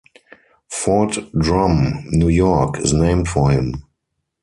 Fort Drum, New York is named for him.